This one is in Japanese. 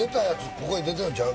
ここへ出てるんちゃう？